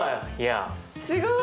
すごい！